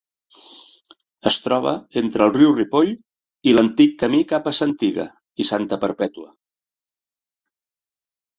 Es troba entre el riu Ripoll i l'antic camí cap a Santiga i Santa Perpètua.